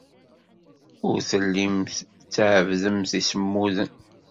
Ur tellimt tɛebbdemt imsemmuden.